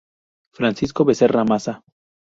Francisco Becerra Maza.